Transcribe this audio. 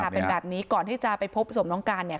เป็นแบบนี้ก่อนที่จะไปพบศพน้องการเนี่ย